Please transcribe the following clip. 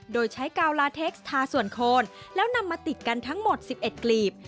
โดยใช้กาวลาเทคสทาส่วนโคนแล้วนำมาติดกันทั้งหมด๑๑กลีบ